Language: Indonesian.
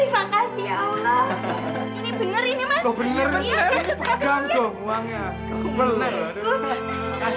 hebat loh kamu ya